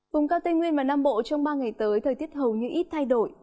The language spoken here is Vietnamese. vùng cao tây nguyên và nam bộ trong ba ngày tới thời tiết hầu như ít thay đổi